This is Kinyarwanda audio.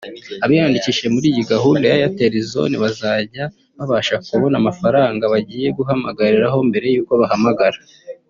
Abazaba bariyandikishije muri iyi gahunda ya Airtel Zone bazajya babasha kubona amafaranga bagiye guhamagariraho mbere y’uko bahamagara